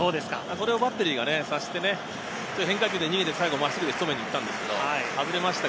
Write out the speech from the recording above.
それをバッテリーが察して変化球で逃げて、最後は真っすぐで仕留めに行ったんです。